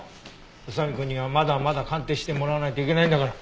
宇佐見くんにはまだまだ鑑定してもらわないといけないんだから。